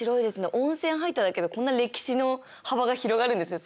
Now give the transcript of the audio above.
温泉入っただけでこんなに歴史の幅が広がるんですね。